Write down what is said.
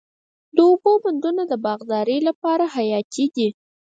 د اوبو بندونه د باغدارۍ لپاره حیاتي دي.